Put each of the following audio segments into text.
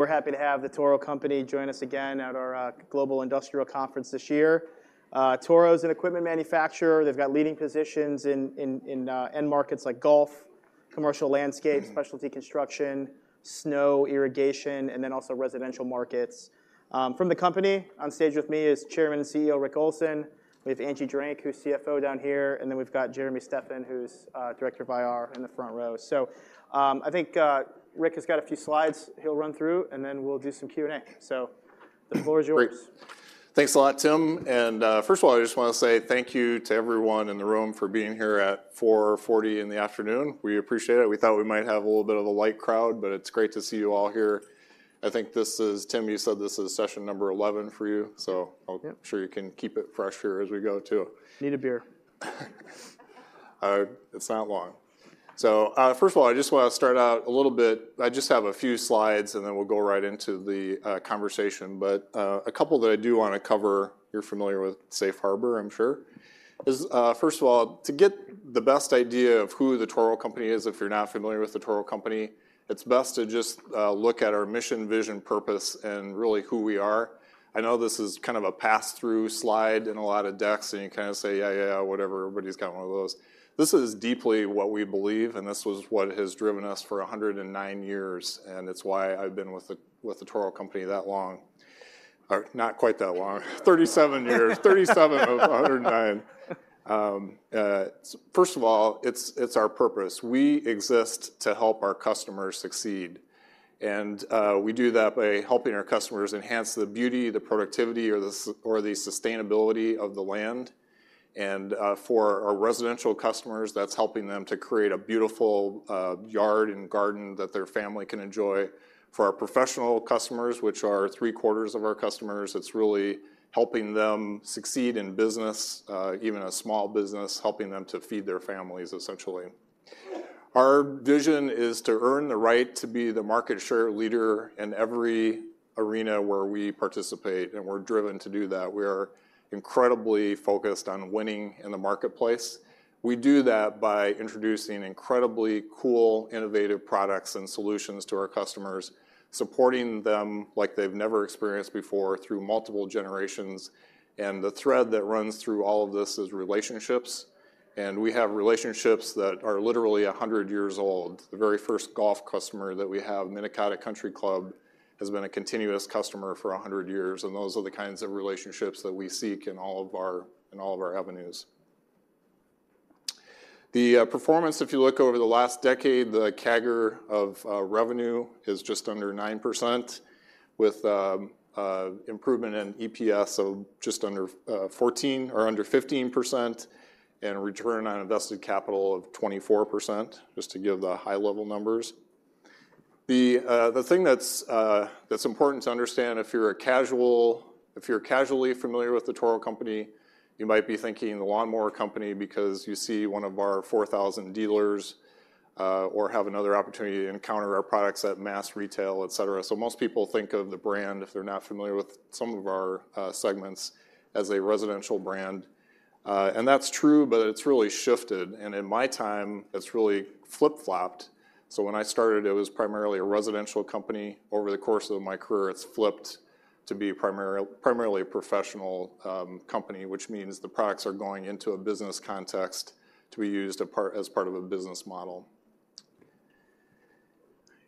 We're happy to have The Toro Company join us again at our Global Industrial Conference this year. Toro is an equipment manufacturer. They've got leading positions in end markets like golf, commercial landscape, specialty construction, snow, irrigation, and then also residential markets. From the company, on stage with me is Chairman and CEO Rick Olson. We have Angie Drake, who's CFO down here, and then we've got Jeremy Steffan, who's Director of IR in the front row. I think Rick has got a few slides he'll run through, and then we'll do some Q&A. The floor is yours. Great. Thanks a lot, Tim, and, first of all, I just wanna say thank you to everyone in the room for being here at 4:40 P.M. We appreciate it. We thought we might have a little bit of a light crowd, but it's great to see you all here. I think this is, Tim, you said this is Session 11 for you, so I'm sure you can keep it fresh here as we go, too. Need a beer. It's not long. So, first of all, I just wanna start out a little bit. I just have a few slides, and then we'll go right into the conversation. But, a couple that I do wanna cover, you're familiar with Safe Harbor, I'm sure, is first of all, to get the best idea of who the Toro Company is, if you're not familiar with the Toro Company, it's best to just look at our mission, vision, purpose, and really who we are. I know this is kind of a pass-through slide in a lot of decks, and you kinda say: Yeah, yeah, whatever, everybody's got one of those. This is deeply what we believe, and this was what has driven us for 109 years, and it's why I've been with the Toro Company that long. Not quite that long, 37 years. 37 of 109. First of all, it's our purpose. We exist to help our customers succeed, and we do that by helping our customers enhance the beauty, the productivity, or the sustainability of the land. For our residential customers, that's helping them to create a beautiful yard and garden that their family can enjoy. For our professional customers, which are three-quarters of our customers, it's really helping them succeed in business, even a small business, helping them to feed their families, essentially. Our vision is to earn the right to be the market share leader in every arena where we participate, and we're driven to do that. We are incredibly focused on winning in the marketplace. We do that by introducing incredibly cool, innovative products and solutions to our customers, supporting them like they've never experienced before through multiple generations. The thread that runs through all of this is relationships, and we have relationships that are literally 100 years old. The very first golf customer that we have, The Minikahda Country Club, has been a continuous customer for 100 years, and those are the kinds of relationships that we seek in all of our avenues. The performance, if you look over the last decade, the CAGR of revenue is just under 9%, with improvement in EPS of just under 14% or under 15%, and return on invested capital of 24%, just to give the high-level numbers. The thing that's important to understand, if you're casually familiar with the Toro Company, you might be thinking the lawnmower company because you see one of our 4,000 dealers, or have another opportunity to encounter our products at mass retail, et cetera. So most people think of the brand, if they're not familiar with some of our segments, as a residential brand. And that's true, but it's really shifted, and in my time, it's really flip-flopped. So when I started, it was primarily a residential company. Over the course of my career, it's flipped to be primarily a professional company, which means the products are going into a business context to be used as part of a business model.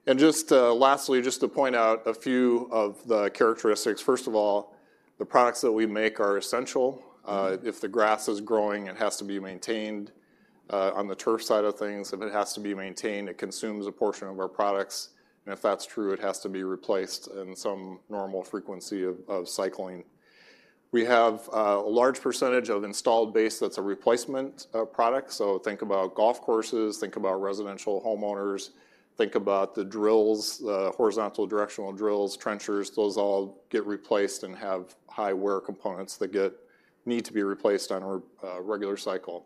And lastly, just to point out a few of the characteristics. First of all, the products that we make are essential. If the grass is growing, it has to be maintained. On the turf side of things, if it has to be maintained, it consumes a portion of our products, and if that's true, it has to be replaced in some normal frequency of cycling. We have a large percentage of installed base that's a replacement product. So think about golf courses, think about residential homeowners, think about the drills, the horizontal directional drills, trenchers, those all get replaced and have high wear components that need to be replaced on a regular cycle.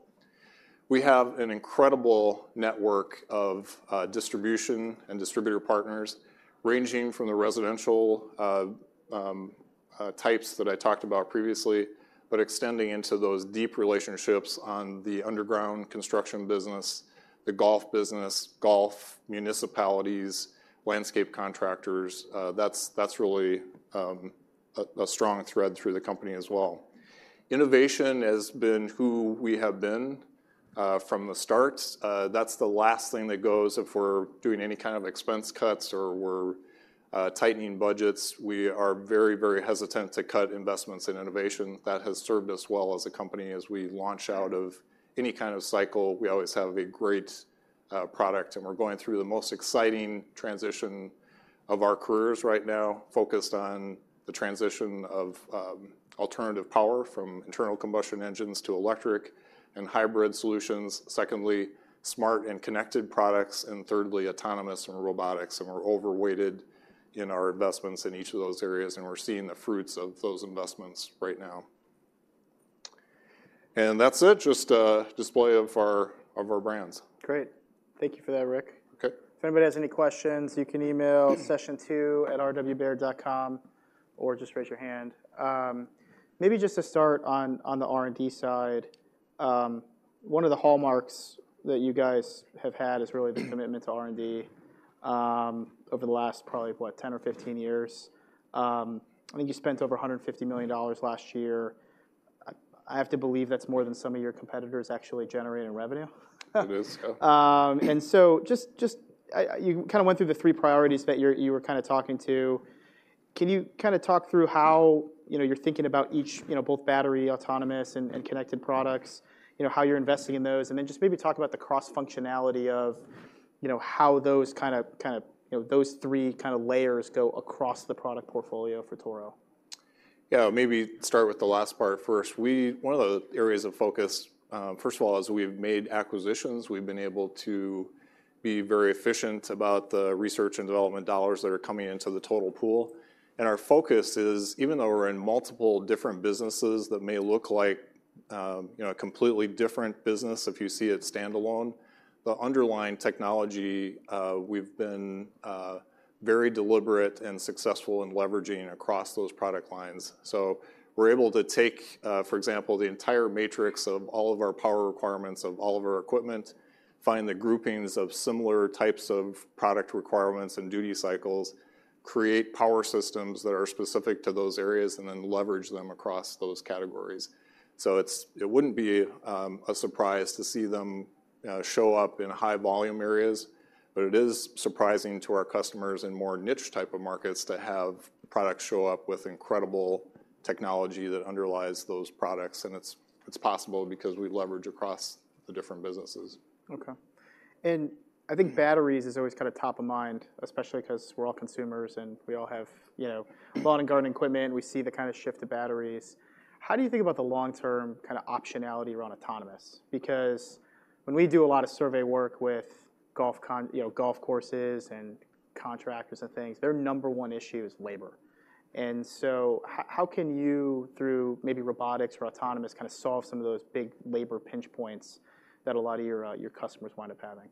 We have an incredible network of distribution and distributor partners, ranging from the residential types that I talked about previously, but extending into those deep relationships on the underground construction business, the golf business, golf, municipalities, landscape contractors. That's really a strong thread through the company as well. Innovation has been who we have been from the start. That's the last thing that goes if we're doing any kind of expense cuts or we're tightening budgets. We are very, very hesitant to cut investments in innovation. That has served us well as a company. As we launch out of any kind of cycle, we always have a great product, and we're going through the most exciting transition of our careers right now, focused on the transition of alternative power, from internal combustion engines to electric and hybrid solutions. Secondly, smart and connected products, and thirdly, autonomous and robotics, and we're overweighted in our investments in each of those areas, and we're seeing the fruits of those investments right now. That's it, just a display of our brands. Great. Thank you for that, Rick. Okay. If anybody has any questions, you can email sessiontwo@rwbaird.com or just raise your hand. Maybe just to start on the R&D side, one of the hallmarks that you guys have had is really the commitment to R&D over the last probably, what, 10 or 15 years. I think you spent over $150 million last year. I have to believe that's more than some of your competitors actually generate in revenue. It is. Yeah. And so just you kind of went through the three priorities that you were kind of talking to. Can you kind of talk through how, you know, you're thinking about each, you know, both battery, autonomous, and connected products, you know, how you're investing in those? And then just maybe talk about the cross-functionality of, you know, how those kind of, you know, those three kind of layers go across the product portfolio for Toro. Yeah, maybe start with the last part first. We one of the areas of focus, first of all, is we've made acquisitions. We've been able to be very efficient about the research and development dollars that are coming into the total pool. And our focus is, even though we're in multiple different businesses that may look like, you know, a completely different business if you see it standalone, the underlying technology, we've been very deliberate and successful in leveraging across those product lines. So we're able to take, for example, the entire matrix of all of our power requirements of all of our equipment, find the groupings of similar types of product requirements and duty cycles, create power systems that are specific to those areas, and then leverage them across those categories. So it wouldn't be a surprise to see them show up in high volume areas, but it is surprising to our customers in more niche type of markets to have products show up with incredible technology that underlies those products, and it's possible because we leverage across the different businesses. Okay. And I think batteries is always kind of top of mind, especially 'cause we're all consumers, and we all have, you know, lawn and garden equipment. We see the kind of shift to batteries. How do you think about the long-term kind of optionality around autonomous? Because when we do a lot of survey work with golf courses, you know, golf courses and contractors and things, their number one issue is labor. And so how can you, through maybe robotics or autonomous, kind of solve some of those big labor pinch points that a lot of your customers wind up having?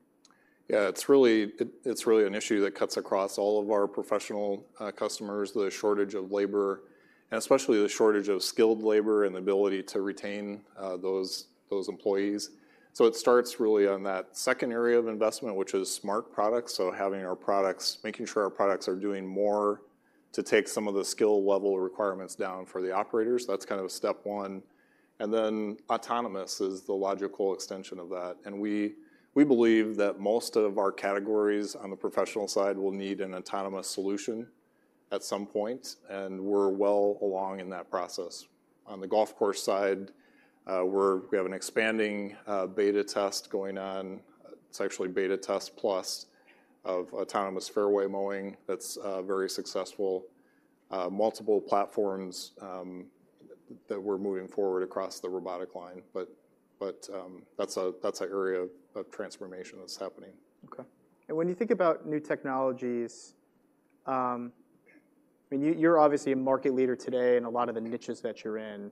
Yeah, it's really-- it's really an issue that cuts across all of our professional customers, the shortage of labor, and especially the shortage of skilled labor and the ability to retain those, those employees. So it starts really on that second area of investment, which is smart products, so having our products—making sure our products are doing more to take some of the skill level requirements down for the operators. That's kind of step one. And then, Autonomous is the logical extension of that, and we believe that most of our categories on the Professional side will need an autonomous solution at some point, and we're well along in that process. On the golf course side, we have an expanding beta test going on. It's actually Beta Test Plus of autonomous fairway mowing that's very successful. Multiple platforms that we're moving forward across the robotic line, but that's an area of transformation that's happening. Okay. And when you think about new technologies, I mean, you, you're obviously a market leader today in a lot of the niches that you're in.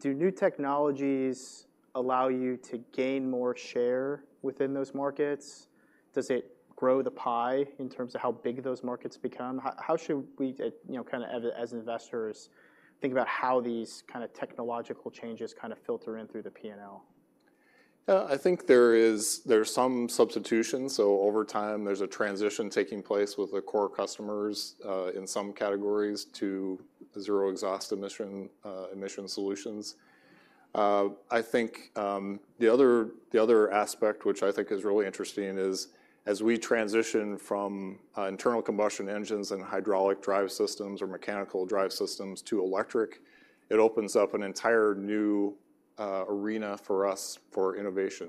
Do new technologies allow you to gain more share within those markets? Does it grow the pie in terms of how big those markets become? How should we, you know, kind of as investors, think about how these kind of technological changes kind of filter in through the P&L? I think there is, there are some substitutions, so over time, there's a transition taking place with the core customers, in some categories to zero exhaust emission solutions. I think, the other aspect, which I think is really interesting, is as we transition from, internal combustion engines and hydraulic drive systems or mechanical drive systems to electric, it opens up an entire new, arena for us for innovation,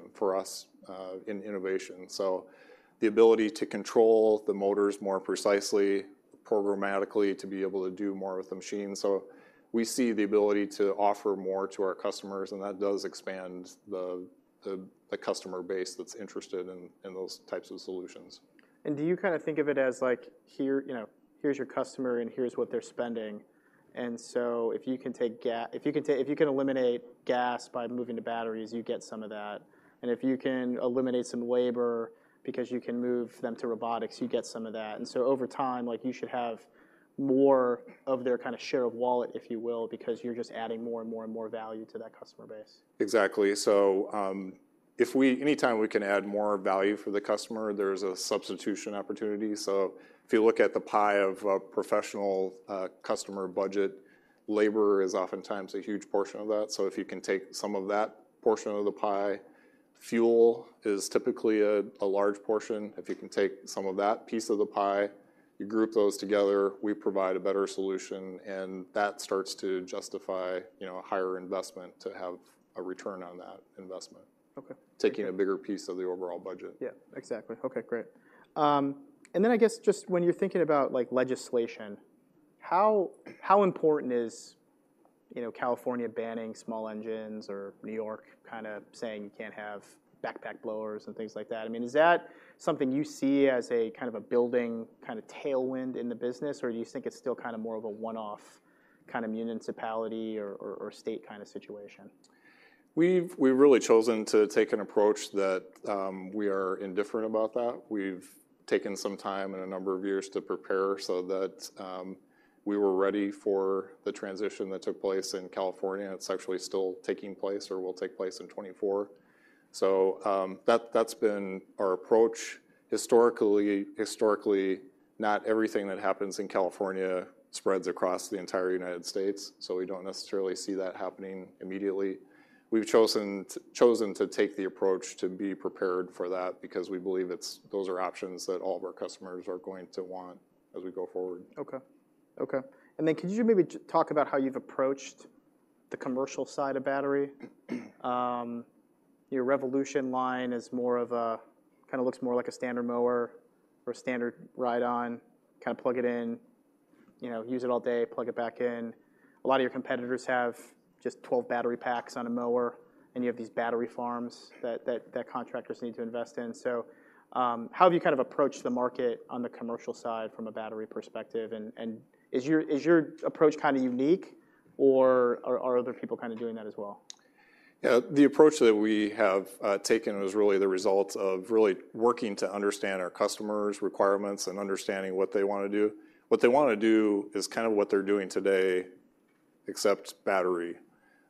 in innovation. So the ability to control the motors more precisely, programmatically, to be able to do more with the machine. So we see the ability to offer more to our customers, and that does expand the customer base that's interested in, those types of solutions. Do you kind of think of it as, like, here, you know, here's your customer, and here's what they're spending, and so if you can eliminate gas by moving to batteries, you get some of that, and if you can eliminate some labor because you can move them to robotics, you get some of that. And so over time, like, you should have more of their kind of share of wallet, if you will, because you're just adding more and more and more value to that customer base. Exactly. So, anytime we can add more value for the customer, there's a substitution opportunity. So if you look at the pie of a professional customer budget, labor is oftentimes a huge portion of that, so if you can take some of that portion of the pie. Fuel is typically a large portion. If you can take some of that piece of the pie, you group those together, we provide a better solution, and that starts to justify, you know, a higher investment to have a return on that investment- Okay. Taking a bigger piece of the overall budget. Yeah, exactly. Okay, great. And then I guess just when you're thinking about, like, legislation, how important is, you know, California banning small engines or New York kind of saying you can't have backpack blowers and things like that. I mean, is that something you see as a kind of a building kind of tailwind in the business, or do you think it's still kind of more of a one-off kind of municipality or state kind of situation? We've really chosen to take an approach that we are indifferent about that. We've taken some time and a number of years to prepare so that we were ready for the transition that took place in California, and it's actually still taking place or will take place in 2024. That's been our approach. Historically, not everything that happens in California spreads across the entire United States, so we don't necessarily see that happening immediately. We've chosen to take the approach to be prepared for that because we believe it's those are options that all of our customers are going to want as we go forward. Okay. Okay. And then, could you maybe talk about how you've approached the commercial side of battery? Your Revolution line is more of a, kind of looks more like a standard mower or a standard ride-on, kind of plug it in, you know, use it all day, plug it back in. A lot of your competitors have just 12 battery packs on a mower, and you have these battery farms that contractors need to invest in. So, how have you kind of approached the market on the commercial side from a battery perspective, and is your approach kind of unique, or are other people kind of doing that as well? Yeah, the approach that we have taken is really the result of really working to understand our customers' requirements and understanding what they want to do. What they want to do is kind of what they're doing today, except battery.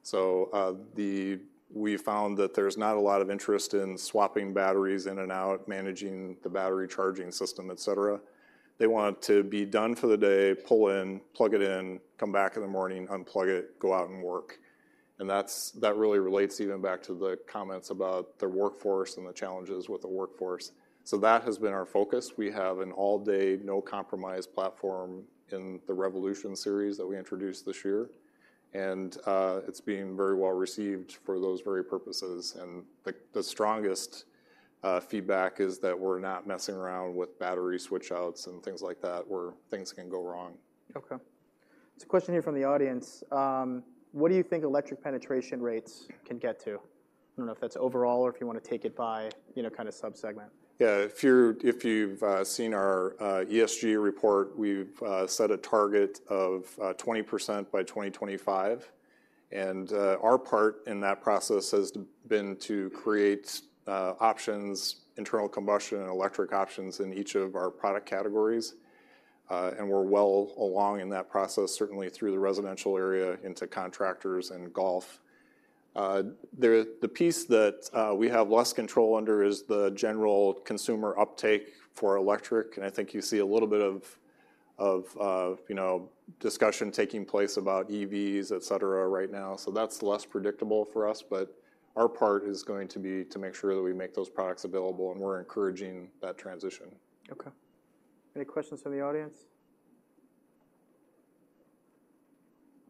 So, we found that there's not a lot of interest in swapping batteries in and out, managing the battery charging system, et cetera. They want to be done for the day, pull in, plug it in, come back in the morning, unplug it, go out and work. And that's, that really relates even back to the comments about the workforce and the challenges with the workforce. So that has been our focus. We have an all-day, no-compromise platform in the Revolution series that we introduced this year, and it's being very well-received for those very purposes. The strongest feedback is that we're not messing around with battery switch-outs and things like that, where things can go wrong. Okay. There's a question here from the audience: What do you think electric penetration rates can get to? I don't know if that's overall or if you want to take it by, you know, kind of sub-segment. Yeah, if you're, if you've seen our ESG report, we've set a target of 20% by 2025, and our part in that process has been to create options, internal combustion and electric options, in each of our product categories. And we're well along in that process, certainly through the residential area into contractors and golf. The piece that we have less control under is the general consumer uptake for electric, and I think you see a little bit of, of, you know, discussion taking place about EVs, et cetera, right now. So that's less predictable for us, but our part is going to be to make sure that we make those products available, and we're encouraging that transition. Okay. Any questions from the audience?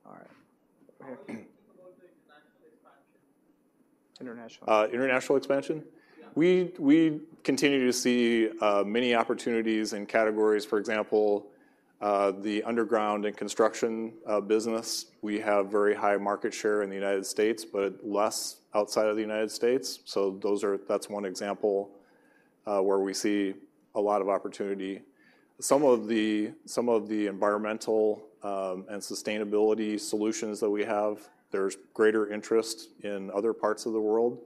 All right. Go ahead. How would you think about the international expansion? International. International expansion? Yeah. We continue to see many opportunities and categories. For example, the underground and construction business, we have very high market share in the United States, but less outside of the United States. So that's one example where we see a lot of opportunity. Some of the environmental and sustainability solutions that we have, there's greater interest in other parts of the world,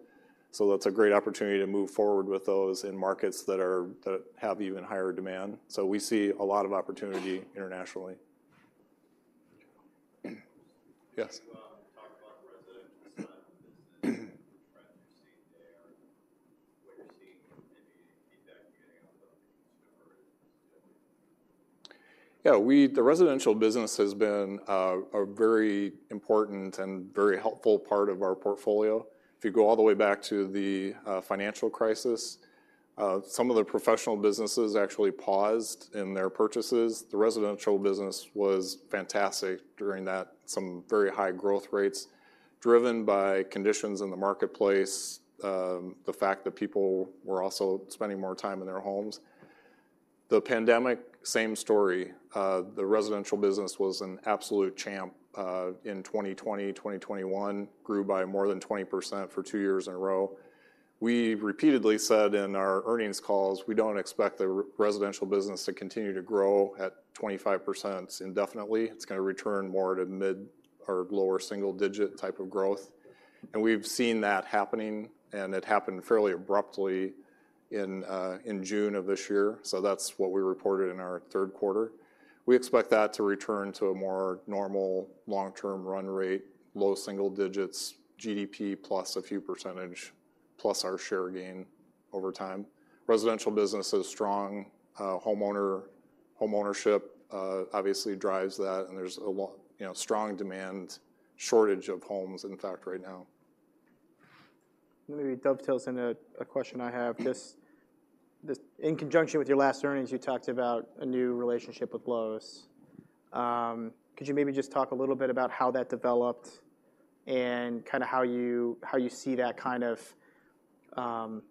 so that's a great opportunity to move forward with those in markets that have even higher demand. So we see a lot of opportunity internationally. Yes. Can you talk about residential side of the business, what trends you're seeing there, and what you're seeing, maybe feedback you're getting on the consumer is generally? Yeah, the residential business has been a very important and very helpful part of our portfolio. If you go all the way back to the financial crisis, some of the professional businesses actually paused in their purchases. The residential business was fantastic during that, some very high growth rates, driven by conditions in the marketplace, the fact that people were also spending more time in their homes. The pandemic, same story. The residential business was an absolute champ in 2020, 2021. Grew by more than 20% for two years in a row. We've repeatedly said in our earnings calls, we don't expect the residential business to continue to grow at 25% indefinitely. It's gonna return more to mid- or lower-single-digit type of growth, and we've seen that happening, and it happened fairly abruptly in June of this year. So that's what we reported in our third quarter. We expect that to return to a more normal long-term run rate, low single digits, GDP plus a few percentage, plus our share gain over time. Residential business is strong. Homeowner homeownership obviously drives that, and there's a you know, strong demand, shortage of homes, in fact, right now. Maybe it dovetails into a question I have. Just, just in conjunction with your last earnings, you talked about a new relationship with Lowe's. Could you maybe just talk a little bit about how that developed? And kind of how you, how you see that kind of,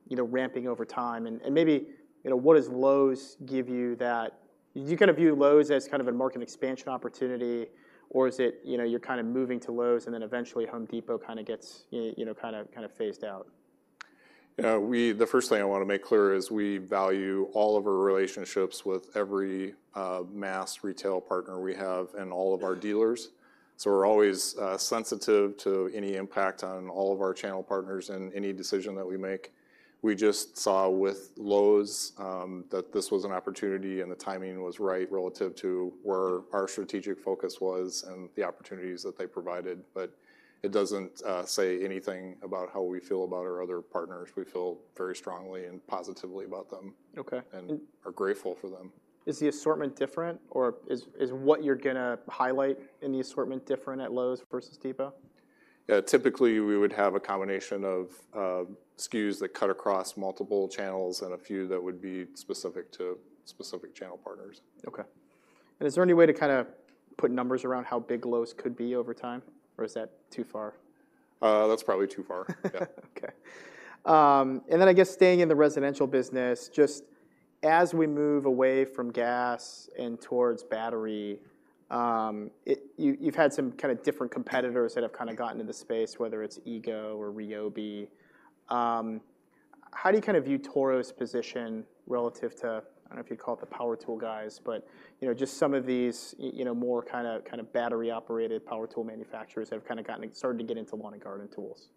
you know, ramping over time. And, and maybe, you know, what does Lowe's give you that-- Do you kind of view Lowe's as kind of a market expansion opportunity, or is it, you know, you're kind of moving to Lowe's, and then eventually Home Depot kind of gets, you, you know, kind of, kind of phased out? Yeah, the first thing I want to make clear is we value all of our relationships with every mass retail partner we have and all of our dealers. So we're always sensitive to any impact on all of our channel partners in any decision that we make. We just saw with Lowe's that this was an opportunity, and the timing was right relative to where our strategic focus was and the opportunities that they provided. But it doesn't say anything about how we feel about our other partners. We feel very strongly and positively about them and are grateful for them. Okay. Is the assortment different, or is what you're gonna highlight in the assortment different at Lowe's versus Depot? Yeah. Typically, we would have a combination of SKUs that cut across multiple channels and a few that would be specific to specific channel partners. Okay. And is there any way to kind of put numbers around how big Lowe's could be over time, or is that too far? That's probably too far. Okay. And then, I guess staying in the residential business, just as we move away from gas and towards battery, you've had some kind of different competitors that have kinda gotten into the space, whether it's EGO or Ryobi. How do you kind of view Toro's position relative to, I don't know if you'd call it the power tool guys, but, you know, just some of these, you know, more kind of, kind of battery-operated power tool manufacturers have kind of gotten started to get into lawn and garden tools?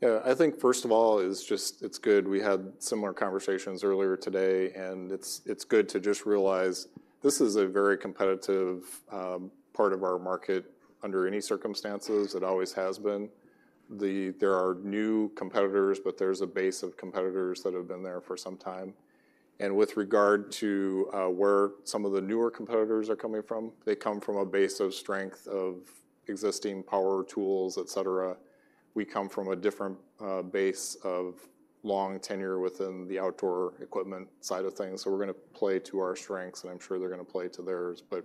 Yeah. I think first of all, it's just, it's good. We had similar conversations earlier today, and it's, it's good to just realize this is a very competitive part of our market under any circumstances. It always has been. There are new competitors, but there's a base of competitors that have been there for some time. And with regard to where some of the newer competitors are coming from, they come from a base of strength of existing power tools, et cetera. We come from a different base of long tenure within the outdoor equipment side of things. So we're gonna play to our strengths, and I'm sure they're gonna play to theirs, but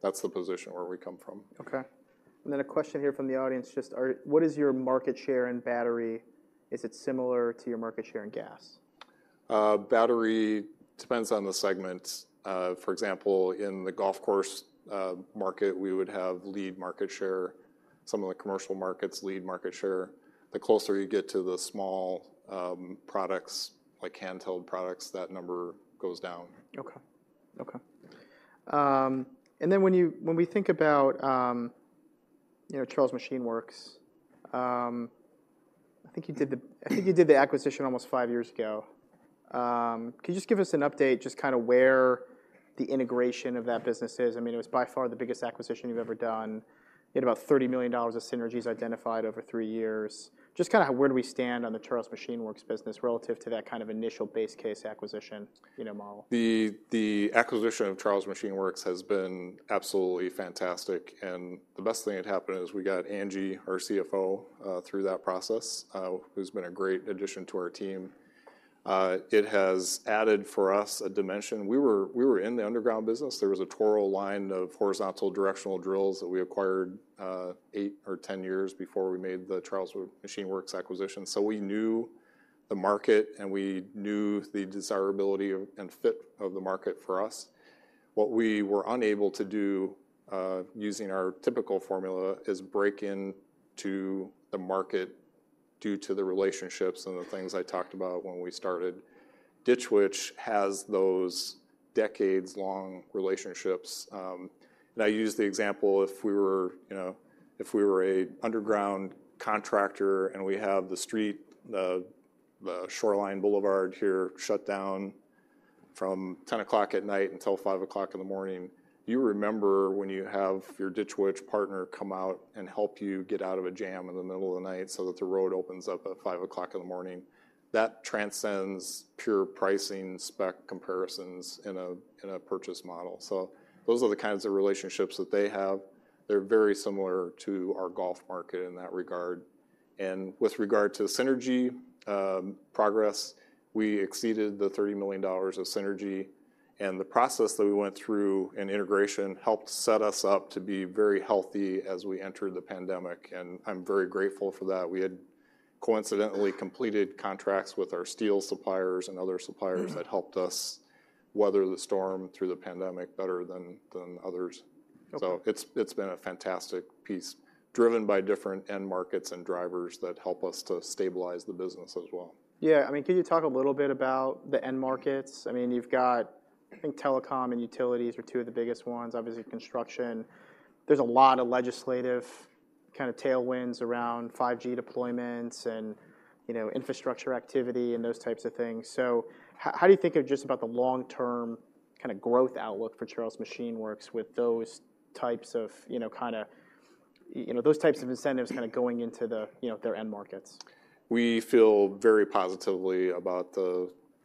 that's the position where we come from. Okay. And then a question here from the audience, just what is your market share in battery? Is it similar to your market share in gas? Battery depends on the segment. For example, in the golf course market, we would have lead market share, some of the commercial markets, lead market share. The closer you get to the small products, like handheld products, that number goes down. Okay. Okay. And then when we think about, you know, Charles Machine Works, I think you did the acquisition almost five years ago. Could you just give us an update, just kind of where the integration of that business is? I mean, it was by far the biggest acquisition you've ever done. You had about $30 million of synergies identified over three years. Just kind of where do we stand on the Charles Machine Works business relative to that kind of initial base case acquisition, you know, model? The acquisition of Charles Machine Works has been absolutely fantastic, and the best thing that happened is we got Angie, our CFO, through that process, who's been a great addition to our team. It has added for us a dimension. We were in the underground business. There was a Toro line of horizontal directional drills that we acquired eight or 10 years before we made the Charles Machine Works acquisition. So we knew the market, and we knew the desirability and fit of the market for us. What we were unable to do, using our typical formula, is break into the market due to the relationships and the things I talked about when we started. Ditch Witch has those decades-long relationships. I use the example, if we were, you know, if we were an underground contractor, and we have the street, the Shoreline Boulevard here, shut down from 10:00 P.M. until 5:00 A.M., you remember when you have your Ditch Witch partner come out and help you get out of a jam in the middle of the night so that the road opens up at 5:00 A.M. That transcends pure pricing, spec comparisons in a purchase model. So those are the kinds of relationships that they have. They're very similar to our golf market in that regard. With regard to synergy progress, we exceeded the $30 million of synergy, and the process that we went through in integration helped set us up to be very healthy as we entered the pandemic, and I'm very grateful for that. We had coincidentally completed contracts with our steel suppliers and other suppliers that helped us weather the storm through the pandemic better than others. Okay. So it's been a fantastic piece, driven by different end markets and drivers that help us to stabilize the business as well. Yeah. I mean, can you talk a little bit about the end markets? I mean, you've got, I think Telecom and Utilities are two of the biggest ones, obviously, Construction. There's a lot of legislative kind of tailwinds around 5G deployments and, you know, infrastructure activity and those types of things. So how do you think of just about the long-term kind of growth outlook for Charles Machine Works with those types of, you know, kind of, you know, those types of incentives kind of going into the, you know, their end markets? We feel very positively about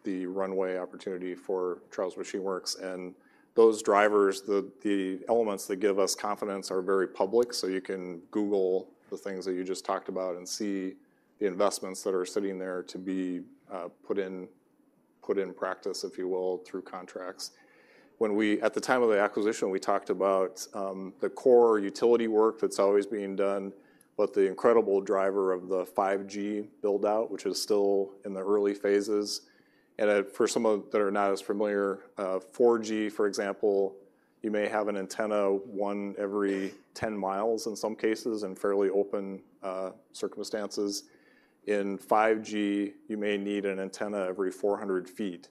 the runway opportunity for Charles Machine Works, and those drivers, the elements that give us confidence are very public. So you can google the things that you just talked about and see the investments that are sitting there to be put in practice, if you will, through contracts. At the time of the acquisition, we talked about the core utility work that's always being done, but the incredible driver of the 5G build-out, which is still in the early phases, and for some of that are not as familiar, 4G, for example, you may have an antenna one every 10 miles in some cases, in fairly open circumstances. In 5G, you may need an antenna every 400 feet.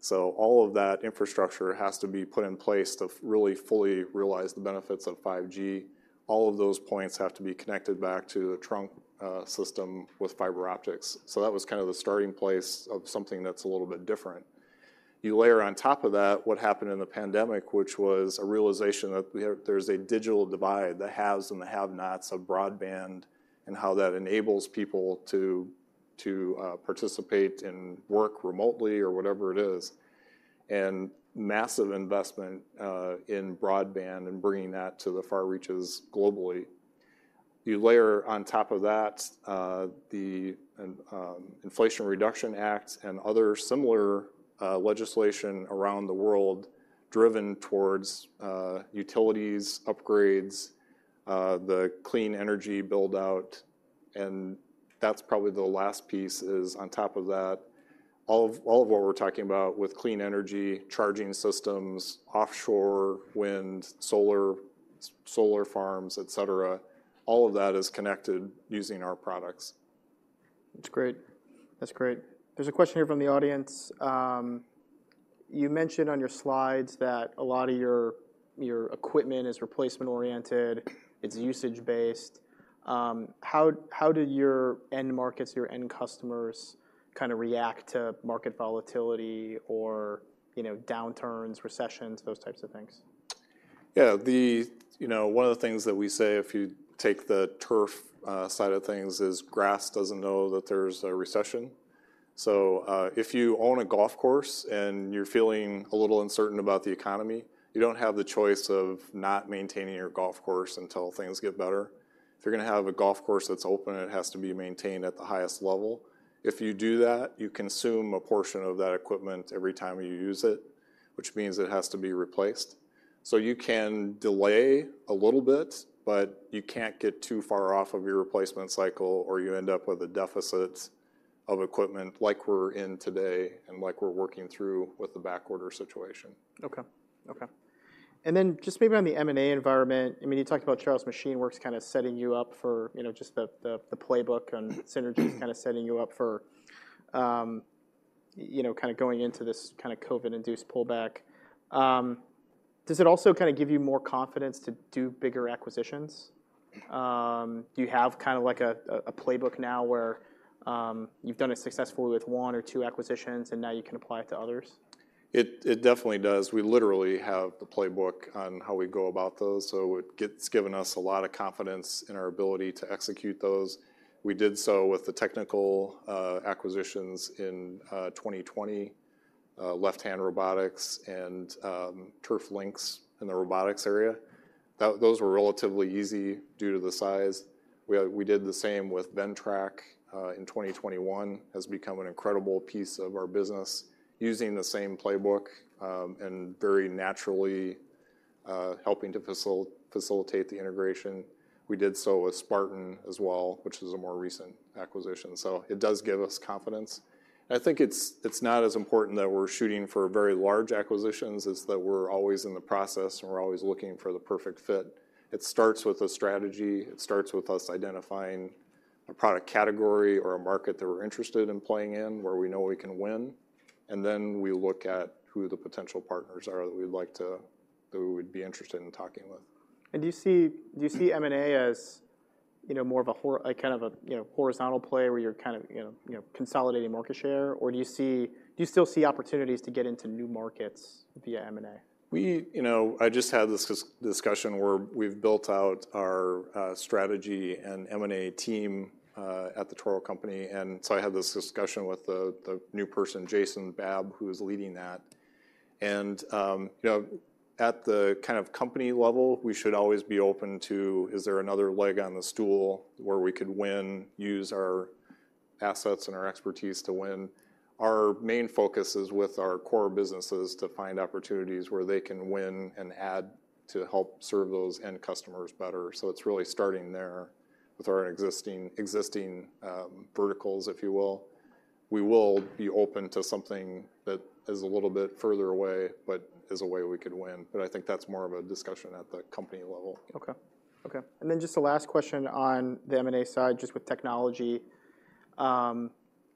So all of that infrastructure has to be put in place to fully realize the benefits of 5G. All of those points have to be connected back to the trunk system with fiber optics. So that was kind of the starting place of something that's a little bit different. You layer on top of that, what happened in the pandemic, which was a realization that there's a digital divide, the haves and the have-nots of broadband, and how that enables people to participate in work remotely or whatever it is, and massive investment in broadband and bringing that to the far reaches globally. You layer on top of that, the Inflation Reduction Act and other similar legislation around the world, driven towards utilities, upgrades, the clean energy build-out, and that's probably the last piece, is on top of that. All of what we're talking about with clean energy, charging systems, offshore wind, solar, solar farms, et cetera, all of that is connected using our products. That's great. That's great. There's a question here from the audience. You mentioned on your slides that a lot of your, your equipment is replacement-oriented, it's usage-based. How did your end markets, your end customers kinda react to market volatility or, you know, downturns, recessions, those types of things? Yeah, you know, one of the things that we say, if you take the turf side of things, is grass doesn't know that there's a recession. So, if you own a golf course and you're feeling a little uncertain about the economy, you don't have the choice of not maintaining your golf course until things get better. If you're gonna have a golf course that's open, it has to be maintained at the highest level. If you do that, you consume a portion of that equipment every time you use it, which means it has to be replaced. So you can delay a little bit, but you can't get too far off of your replacement cycle, or you end up with a deficit of equipment like we're in today and like we're working through with the backorder situation. Okay. Okay. And then just maybe on the M&A environment, I mean, you talked about Charles Machine Works kinda setting you up for, you know, just the playbook and synergy kinda setting you up for, you know, kinda going into this kinda COVID-induced pullback. Does it also kinda give you more confidence to do bigger acquisitions? Do you have kinda like a playbook now where, you've done it successfully with one or two acquisitions, and now you can apply it to others? It definitely does. We literally have the playbook on how we go about those, so it has given us a lot of confidence in our ability to execute those. We did so with the technical acquisitions in 2020, Left Hand Robotics and TURFLYNX in the robotics area. Those were relatively easy due to the size. We did the same with Ventrac in 2021, has become an incredible piece of our business, using the same playbook, and very naturally helping to facilitate the integration. We did so with Spartan as well, which is a more recent acquisition. So it does give us confidence. I think it's not as important that we're shooting for very large acquisitions, it's that we're always in the process, and we're always looking for the perfect fit. It starts with a strategy. It starts with us identifying a product category or a market that we're interested in playing in, where we know we can win, and then we look at who the potential partners are that we would be interested in talking with. Do you see, do you see M&A as, you know, more of a horizontal play, where you're kind of, you know, you know, consolidating market share? Or do you still see opportunities to get into new markets via M&A? You know, I just had this discussion where we've built out our strategy and M&A team at the Toro Company, and so I had this discussion with the new person, Jason Baab, who is leading that. And you know, at the kind of company level, we should always be open to: Is there another leg on the stool where we could win, use our assets and our expertise to win? Our main focus is with our core businesses to find opportunities where they can win and add to help serve those end customers better. So it's really starting there with our existing, existing verticals, if you will. We will be open to something that is a little bit further away, but is a way we could win, but I think that's more of a discussion at the company level. Okay. Okay, and then just the last question on the M&A side, just with technology: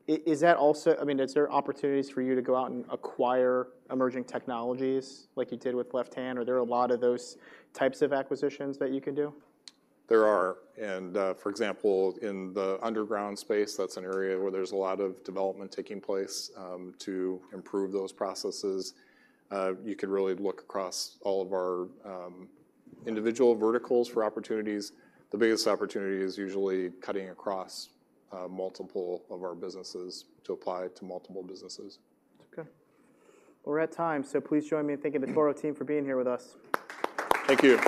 Is that also-- I mean, is there opportunities for you to go out and acquire emerging technologies like you did with Left Hand? Are there a lot of those types of acquisitions that you can do? There are, and, for example, in the underground space, that's an area where there's a lot of development taking place, to improve those processes. You could really look across all of our, individual verticals for opportunities. The biggest opportunity is usually cutting across, multiple of our businesses to apply to multiple businesses. Okay. We're at time, so please join me in thanking the Toro team for being here with us. Thank you.